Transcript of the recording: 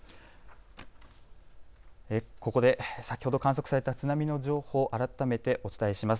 ここで先ほど観測された津波の情報、改めてお伝えします。